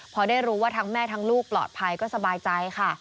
พอได้รู้ว่าทั้งแม่ทั้งลูกปลอดภัยก็สบายใจค่ะ